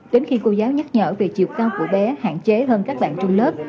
đến khi cô giáo nhắc nhở về chiều cao của bé hạn chế hơn các bạn trong lớp